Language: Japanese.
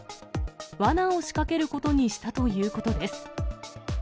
わなを仕掛けることにしたということです。